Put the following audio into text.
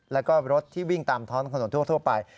และรถที่วิ่งตามท้อนทะโน้นทั่วไป